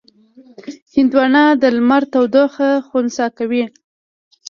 هندوانه د لمر تودوخه خنثی کوي.